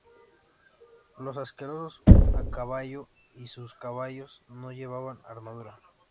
Los arqueros a caballo y sus caballos, no llevaban armadura.